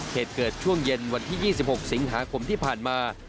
เหตุเกิดช่วงเย็นวันที่๒๖สิงหาคมที่ผ่านมา